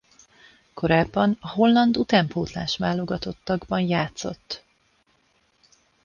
Korábban a holland utánpótlás-válogatottakban játszott.